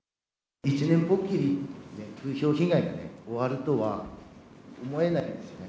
１年ぽっきりの風評被害で終わるとは思えないんですよね。